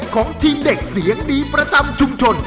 ของทีมเด็กเสียงดีประจำชุมชน